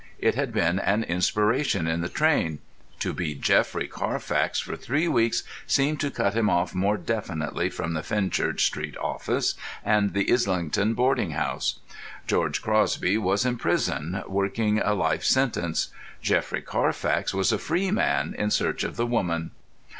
It had been an inspiration in the train. To be Geoffrey Carfax for three weeks seemed to cut him off more definitely from the Fenchurch Street office and the Islington boarding house. George Crosby was in prison, working a life sentence; Geoffrey Carfax was a free man in search of the woman.